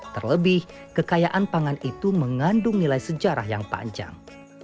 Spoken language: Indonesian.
terlebih kekayaan pangan itu mengandung nilai sejarah yang panjang